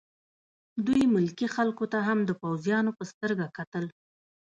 دوی ملکي خلکو ته هم د پوځیانو په سترګه کتل